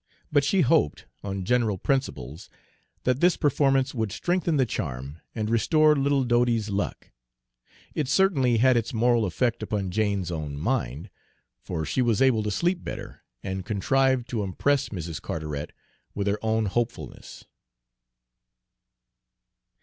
But she hoped, on general principles, that this performance would strengthen the charm and restore little Dodie's luck. It certainly had its moral effect upon Jane's own mind, for she was able to sleep better, and contrived to impress Mrs. Carteret with her own hopefulness.